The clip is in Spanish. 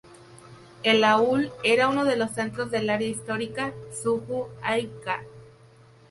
El aul era uno de los centros del área histórica Psju-Aíbga.